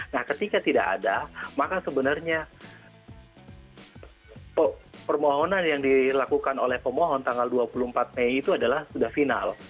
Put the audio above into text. nah ketika tidak ada maka sebenarnya permohonan yang dilakukan oleh pemohon tanggal dua puluh empat mei itu adalah sudah final